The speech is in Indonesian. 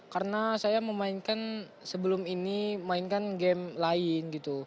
karena saya memainkan sebelum ini mainkan game lain gitu